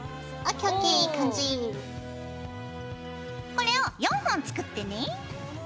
これを４本作ってね。